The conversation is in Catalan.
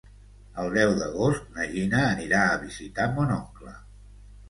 El deu d'agost na Gina anirà a visitar mon oncle.